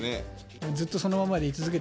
ずっとそのままでい続けて。